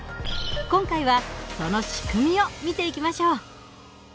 今回はその仕組みを見ていきましょう。